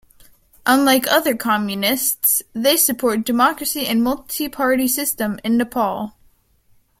Unlike other communists, they support democracy and multi-party system in Nepal.